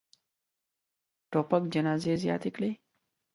توپک جنازې زیاتې کړي.